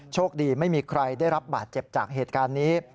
โชคดีไม่มีใครได้รับบาดเจ็บจากเหตุการณ์นี้